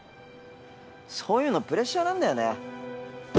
そういうのプレッシャーなんだよね。